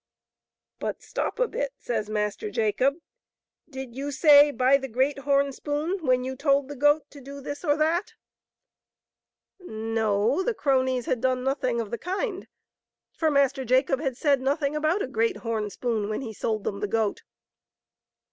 " But stop a bit," says Master Jacob. " Did you say ' by the great horn spoon,' when you told the goat to do this or that ?" MASTER JACOa 1 69 No ; the cronies had done nothing of the kind, for Master Jacob had said nothing about a great horn spoon when he sold them the goat.